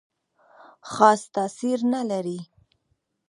خاص تاثیر نه لري.